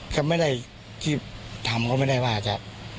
ก็ไม่ได้ที่ทำก็ไม่ได้ว่าจะ